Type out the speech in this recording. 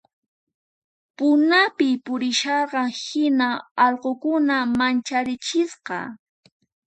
Punapi purisharan hina allqukuna mancharichisqa